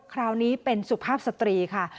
คราวนี้เป็นสุภาพสตรีค่ะ